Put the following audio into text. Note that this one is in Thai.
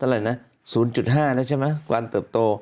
๐๕แล้วใช่ไหมกว่าเติบโต